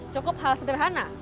cukup hal sederhana